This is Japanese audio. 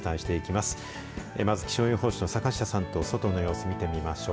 まず気象予報士の坂下さんと外の様子を見てみましょう。